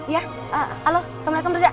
ya halo assalamualaikum rizal